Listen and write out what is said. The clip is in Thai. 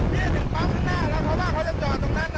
นี่ถึงปั๊มข้างหน้าแล้วเพราะว่าเขาจะจอดตรงนั้น